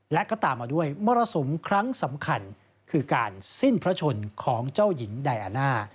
และก็ตามมาด้วยมรสุมครั้งสำคัญคือการสิ้นพระชนของเจ้าหญิงไดอาน่า